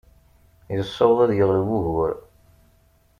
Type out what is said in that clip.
Yessaweḍ ad yeɣleb ugur.